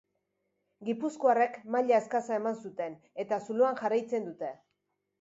Gipuzkoarrek maila eskasa eman zuten eta zuloan jarraitzen dute.